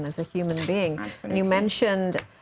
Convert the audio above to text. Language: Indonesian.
kita sudah bicarakan tentang